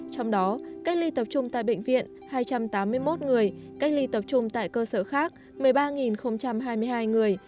trong đó cách ly tập trung tại bệnh viện hai trăm tám mươi một người cách ly tập trung tại cơ sở khác một mươi ba hai mươi hai người